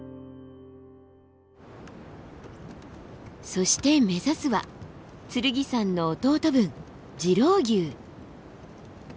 そして目指すは剣山の弟分次郎笈。